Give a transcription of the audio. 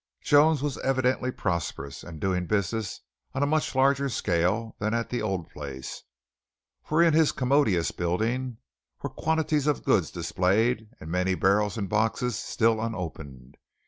Jones was evidently prosperous, and doing business on a much larger scale than at the old place; for in his commodious building were quantities of goods displayed and many barrels and boxes still unopened.